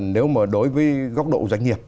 nếu mà đối với góc độ doanh nghiệp